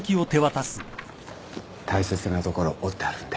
大切なところ折ってあるんで。